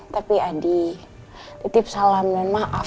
tapi adi titip salam dan maaf